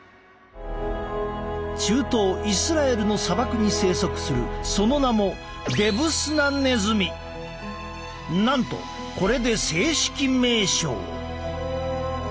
中東イスラエルの砂漠に生息するその名もなんとこれで正式名称。